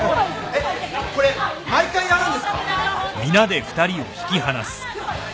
えっこれ毎回やるんですか？